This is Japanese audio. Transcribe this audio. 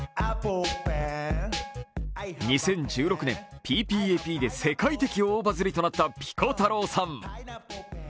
２０１６年、「ＰＰＡＰ」で世界的大バズりとなったピコ太郎さん。